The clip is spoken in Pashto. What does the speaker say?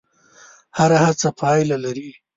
هره هڅه پایله لري.